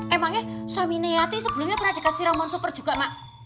eh emangnya suami neati sebelumnya pernah dikasih rambuan super juga mak